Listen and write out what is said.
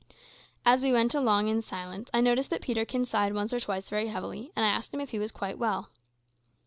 As we went along in silence I noticed that Peterkin sighed once or twice very heavily, and I asked him if he was quite well.